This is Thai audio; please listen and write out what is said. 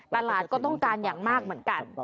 ตลาดก็ต้องการอย่างมากเหมือนกัน